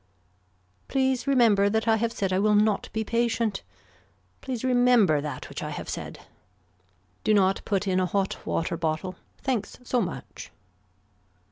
Please remember that I have said I will not be patient. Please remember that which I have said. Do not put in a hot water bottle. Thanks so much.